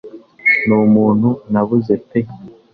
Numuntu nabuze pe